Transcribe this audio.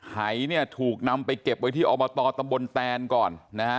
ไห่เนี่ยถูกนำไปเก็บไว้ที่ออบตตบลแตนก่อน